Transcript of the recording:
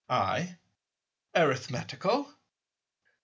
I. Arithmetical.